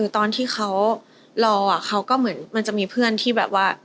ตอนที่เขารอเขาก็เหมือนมันจะมีเพื่อนที่แบบว่า